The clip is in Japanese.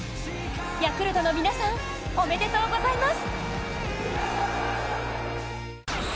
ヤクルトの皆さん、おめでとうございます！